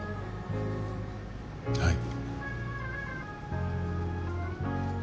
はい。